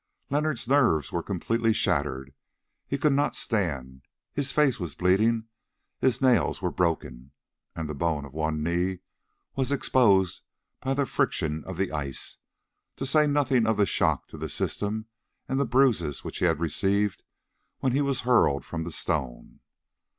Leonard's nerves were completely shattered, he could not stand, his face was bleeding, his nails were broken, and the bone of one knee was exposed by the friction of the ice, to say nothing of the shock to the system and the bruises which he had received when he was hurled from the stone.